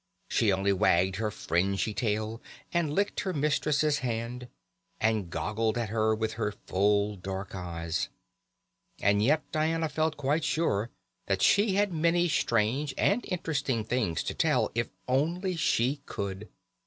She only wagged her fringy tail, and licked her mistress's hand, and goggled at her with her full dark eyes. And yet Diana felt quite sure that she had many strange and interesting things to tell, if she only could.